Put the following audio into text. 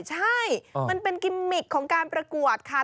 ใช่มันเป็นกิมมิกของการประกวดค่ะ